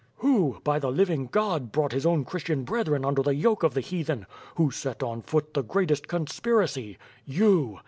Who — by the living God — brought his own Christian brethren under the yoke of the Heathen? Who set on foot the greatest conspiracy — you!